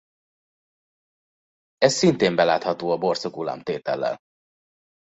Ez szintén belátható a Borsuk–Ulam tétellel.